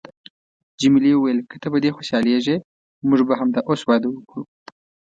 جميلې وويل: که ته په دې خوشحالیږې، موږ به همدا اوس واده وکړو.